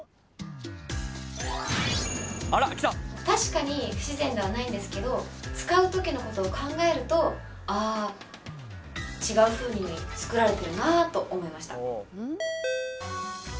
確かに不自然ではないんですけど使うときのことを考えるとあ違うふうに作られてるなと思いました。